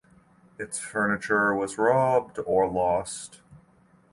Its furniture was robbed or lost.